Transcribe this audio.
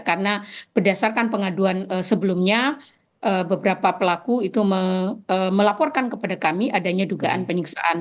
karena berdasarkan pengaduan sebelumnya beberapa pelaku itu melaporkan kepada kami adanya dugaan penyiksaan